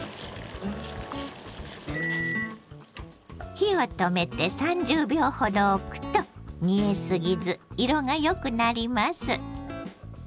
火を止めて３０秒ほどおくと煮えすぎず色がよくなります。